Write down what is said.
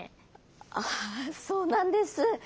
ああそうなんです。